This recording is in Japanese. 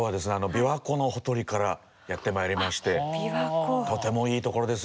琵琶湖のほとりからやってまいりましてとてもいい所ですよ。